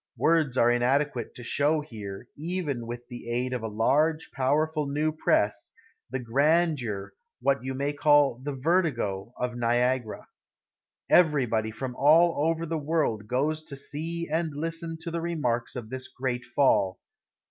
Words are inadequate to show here, even with the aid of a large, powerful new press, the grandeur, what you may call the vertigo, of Niagara. Everybody from all over the world goes to see and listen to the remarks of this great fall.